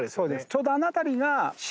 ちょうどあの辺りが。